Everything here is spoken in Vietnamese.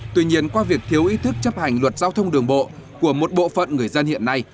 tuy nhiên qua việc thiếu ý thức chấp hành luật giao thông đường bộ của một bộ phận người dân hiện nay